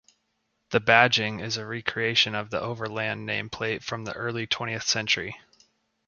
The badging is a recreation of the Overland nameplate from the early twentieth century.